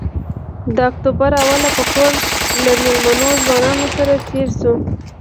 د اکتوبر اوله په کور له مېلمنو ځوانانو سره تېره شوه.